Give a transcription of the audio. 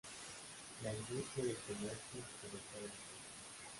La industria y el comercio comenzaron a crecer.